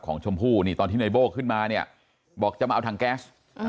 ชมพู่นี่ตอนที่ในโบ้ขึ้นมาเนี่ยบอกจะมาเอาถังแก๊ส